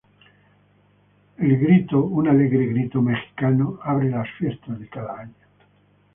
El grito, un alegre grito mexicano-abre las fiestas de cada año.